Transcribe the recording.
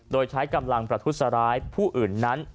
โดยใช้กำลังประทุษร้ายผู้อื่นนั้น